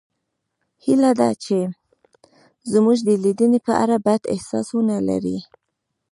هیله ده چې زموږ د لیدنې په اړه بد احساس ونلرئ